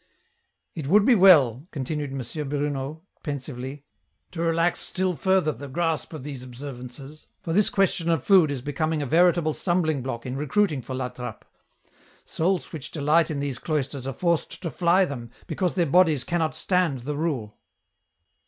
" It would be well," continued M. Bruno, pensively, *' to relax stul further the grasp of these observances, for this question of food is becoming a veritable stumbling block in recruitmg for La Trappe ; souls which delight in these cloisters are forced to fly them, because their bodies cannot stand the rule."